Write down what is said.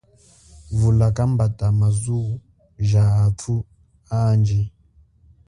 Vula kambata ma zuwo ja athu anji.